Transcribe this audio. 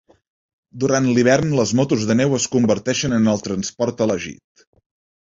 Durant l'hivern, les motos de neu es converteixen en el transport elegit.